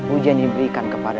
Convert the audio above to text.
ujian yang diberikan kepada